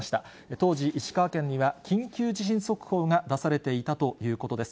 当時、石川県には緊急地震速報が出されていたということです。